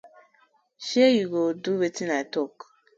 Shey yu go do wetin I tok.